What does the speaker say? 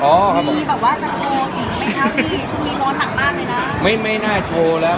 ถึงนี้รอถังมากเลยนะไม่ไม่น่าโทรแล้ว